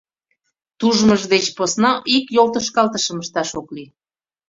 Тужмыж деч посна ик йолтошкалтышым ышташ ок лий.